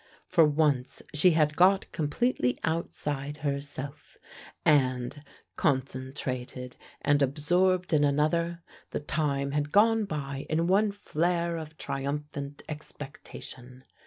For once she had got completely outside herself, and, concentrated and absorbed in another, the time had gone by in one flare of triumphant expectation.